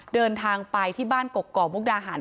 เดินทางไปที่บ้านกกอกมุกดาหาร